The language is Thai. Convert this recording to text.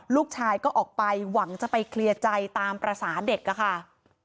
ลูกชายก็ออกไปหวังจะไปเคลียร์ใจตามภาษาเด็กอะค่ะ